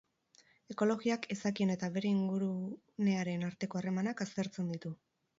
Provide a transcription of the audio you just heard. Ekologiak izakien eta bere ingurunearen arteko harremanak aztertzen ditu.